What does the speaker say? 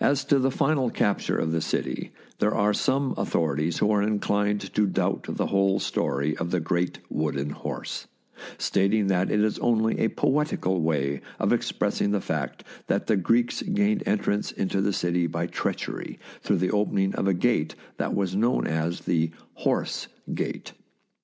As to the final capture of the city, there are The Wooden Horse at the Siege of Troy THE SIEGE OF TROY some authorities who are inclined to doubt the whole story of the great wooden horse, stating that it is only a poetical way of expressing the fact that the Greeks gained entrance into the city by treach ery through the opening of a gate that was known as the " Horse " gate.